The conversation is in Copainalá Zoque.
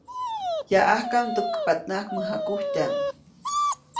Yaʼajka, ndäkpaʼtnaʼajk mäjakujtyaʼm.